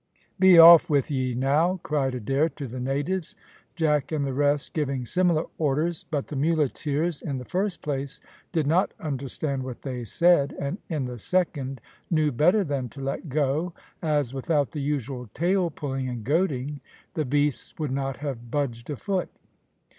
"Be off with ye, now," cried Adair, to the natives; Jack and the rest giving similar orders; but the muleteers, in the first place, did not understand what they said, and, in the second, knew better than to let go, as without the usual tail pulling and goading, the beasts would not have budged a foot.